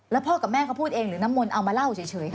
แล้วพ่อกับแม่เขาพูดเองหรือน้ำมนต์เอามาเล่าเฉยค่ะ